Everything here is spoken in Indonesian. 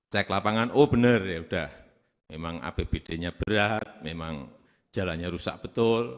cek lapangan oh benar ya sudah memang apbd nya berat memang jalannya rusak betul